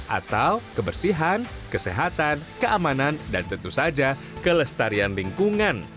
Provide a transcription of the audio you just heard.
atau kebersihan kesehatan keamanan dan tentu saja kelestarian lingkungan